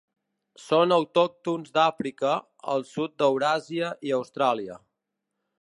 Són autòctons d'Àfrica, el sud d'Euràsia i Austràlia.